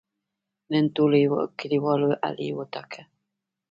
نن ټولو کلیوالو علي وټاکه.